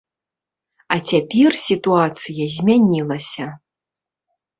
А цяпер сітуацыя змянілася.